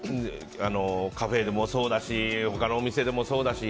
カフェもそうだし他のお店でもそうだし。